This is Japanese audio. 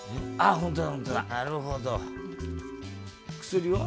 本当だ。